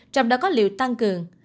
trong đó có liều tăng cường